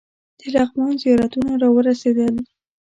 د لغمان زیارتونه راورسېدل.